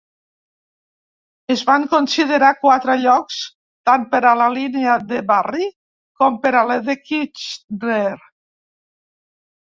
Es van considerar quatre llocs tant per a la línia de Barrie com per a la de Kitchener.